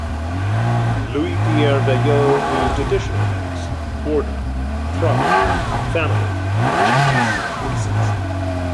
Louis Pierre Veillot used additional ranks: order, tribe, family, genus, species.